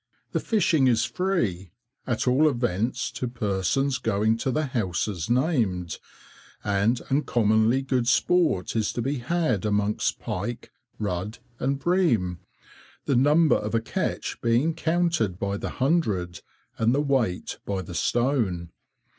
The fishing is free, at all events to persons going to the houses named, and uncommonly good sport is to be had amongst pike, rudd, and bream, the number of a catch being counted by the hundred, and the weight by the stone.